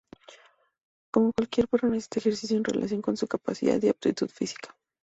Como cualquier perro, necesita ejercicio en relación con su capacidad y aptitud física.